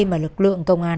mà lực lượng công an